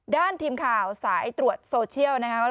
ด้านทีมข่าวสายตรวจโซเชียล